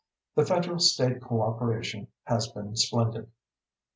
The federal state cooperation has been splendid.